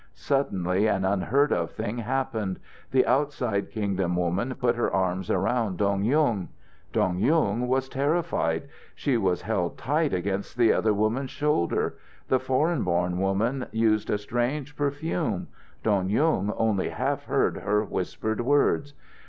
Suddenly an unheard of thing happened. The outside kingdom woman put her arms around Dong Yung! Dong Yung was terrified. She was held tight against the other woman's shoulder. The foreign born woman used a strange perfume. Dong Yung only half heard her whispered words.